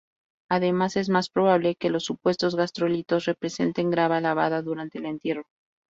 Además, es más probable que los supuestos gastrolitos representen grava lavada durante el entierro.